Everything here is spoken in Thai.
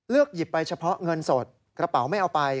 หยิบไปเฉพาะเงินสดกระเป๋าไม่เอาไป